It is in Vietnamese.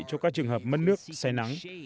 cho các trường hợp mất nước xé nắng